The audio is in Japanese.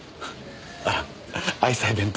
あら愛妻弁当。